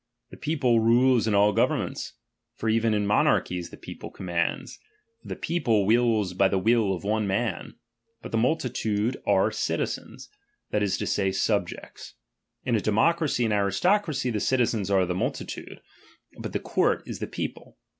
The people rules in all governments, For even in monarchies the people commands ; for the people wills by the will of one man ; but the multitude are citizens, that is to say, subjects. In a democracy and aristocracy, the citizens are the multitude, but the court is the people.